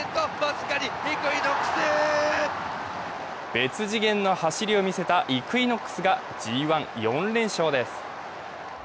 別次元の走りを見せたイクイノックスがＧⅠ・４連勝です。